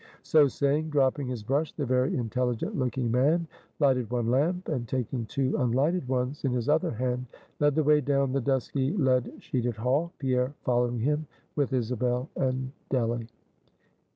So saying, dropping his brush, the very intelligent looking man lighted one lamp, and taking two unlighted ones in his other hand, led the way down the dusky lead sheeted hall, Pierre following him with Isabel and Delly.